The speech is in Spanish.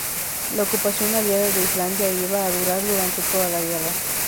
La ocupación aliada de Islandia iba a durar durante toda la guerra.